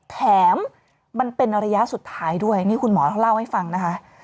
แถมมันเป็นระยะสุดท้ายด้วยนี่คุณหมอเขาเล่าให้ฟังนะคะ